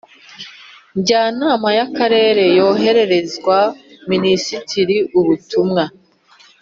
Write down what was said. Njyanama y akarere yohererezwa minisitiri ubutumwa